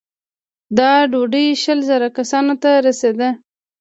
دا ډوډۍ شل زره کسانو ته رسېده.